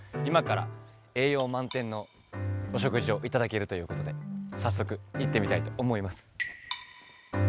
今から栄養満点のお食事を頂けるということで早速行ってみたいと思います。